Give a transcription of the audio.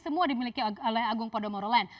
semua dimiliki oleh agung podomoro land